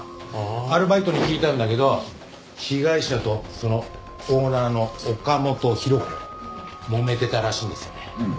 アルバイトに聞いたんだけど被害者とそのオーナーの岡本博子もめてたらしいんですよね。